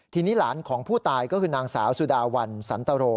ทีนี้หลานของผู้ตายก็คือนางสาวสุดาวันสันตโร